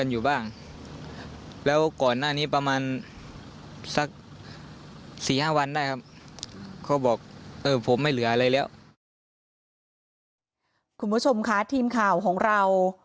อยากให้ตำรวจคลี่คลายคดีค่ะ